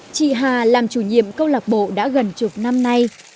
chị hà làm chủ nhiệm câu lạc bộ đã gần chục năm nay